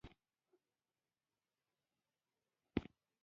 مخلوط باید په کافي اندازه قیر ولري